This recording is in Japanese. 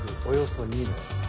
およそ２名。